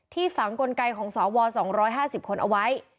ฝังกลไกของสว๒๕๐คนเอาไว้